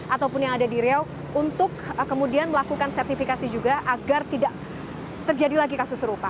ataupun yang ada di riau untuk kemudian melakukan sertifikasi juga agar tidak terjadi lagi kasus serupa